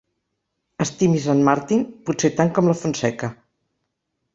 Estimis en Martin, potser tant com la Fonseca.